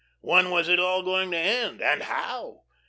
When was it all going to end, and how?